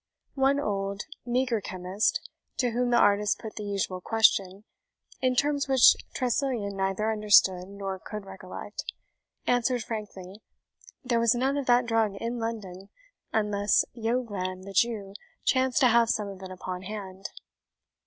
One old, meagre chemist, to whom the artist put the usual question, in terms which Tressilian neither understood nor could recollect, answered frankly, there was none of that drug in London, unless Yoglan the Jew chanced to have some of it upon hand.